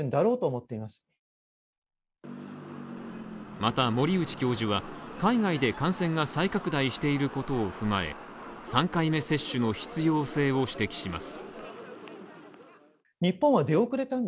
また森内教授は海外で感染が再拡大していることを踏まえ、３回目接種の必要性を指摘します。